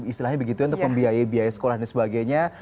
istilahnya begitu ya untuk membiayai biayai sekolah dan sebagainya